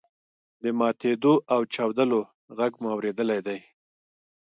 د ماتیدو او چاودلو غږ مو اوریدلی دی.